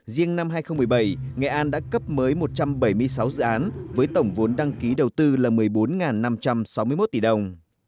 riêng năm hai nghìn một mươi bảy nghệ an đã cấp mới một trăm bảy mươi sáu dự án với tổng vốn đăng ký đầu tư là một mươi bốn năm trăm sáu mươi một tỷ đồng